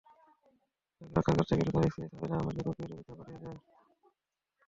তাঁকে রক্ষা করতে গেলে তাঁর স্ত্রী রাফিদা আহমেদকেও কুপিয়ে দুর্বৃত্তরা পালিয়ে যায়।